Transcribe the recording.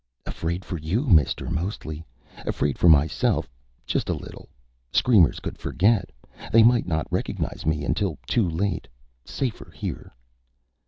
"Afraid for you, mister, mostly. Afraid for myself just a little. Screamers could forget. They might not recognize me until too late. Safer here."